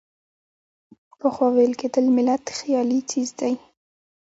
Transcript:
پخوا ویل کېدل ملت خیالي څیز دی.